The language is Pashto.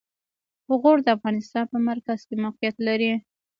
غور د افغانستان په مرکز کې موقعیت لري.